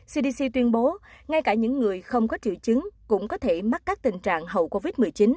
cdc tuyên bố ngay cả những người không có triệu chứng cũng có thể mắc các tình trạng hậu covid một mươi chín